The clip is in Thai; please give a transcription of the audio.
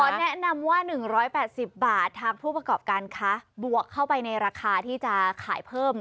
แนะนำว่า๑๘๐บาททางผู้ประกอบการค้าบวกเข้าไปในราคาที่จะขายเพิ่ม